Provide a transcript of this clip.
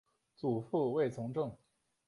祖父卫从政。